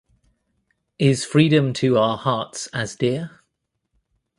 Is Freedom to our hearts as dear?